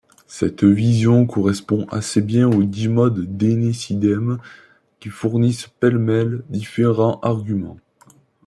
Cette vision correspond assez bien aux dix modes d'Énésidème, qui fournissent pêle-mêle différents arguments.